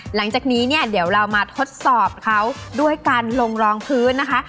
หลังจากนี้เนี่ยเดี๋ยวเรามาทดสอบเขาด้วยการลงรองพื้นนะคะ